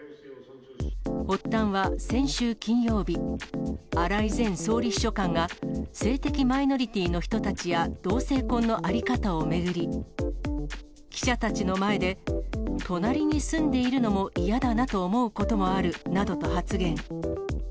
発端は先週金曜日、荒井前総理秘書官が、性的マイノリティーの人たちや同性婚の在り方を巡り、記者たちの前で隣に住んでいるのも嫌だなと思うこともあるなどと発言。